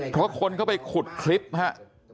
เพราะคนเข้าไปขุดคลิปฮะ